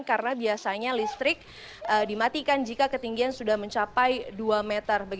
karena biasanya listrik dimatikan jika ketinggian sudah mencapai dua meter